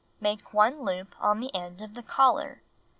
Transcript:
Make 1 loop on the end of the collar.